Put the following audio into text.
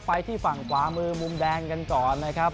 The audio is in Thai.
ไปที่ฝั่งขวามือมุมแดงกันก่อนนะครับ